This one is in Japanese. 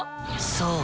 そう？